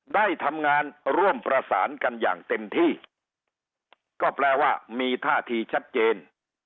ได้ทำงานร่วมประสานกันอย่างเต็มที่ก็แปลว่ามีท่าทีชัดเจน